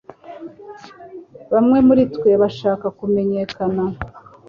Bamwe muri twe bashaka kumenyekana